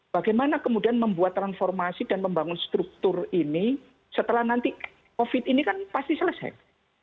bagaimana kemudian membuat transformasi dan membangun struktur ini setelah nanti covid ini kan pasti selesai